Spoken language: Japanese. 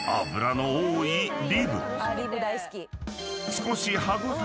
［少し］